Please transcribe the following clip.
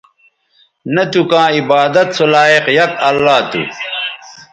نہ تھو کاں عبادت سو لائق یک اللہ تھو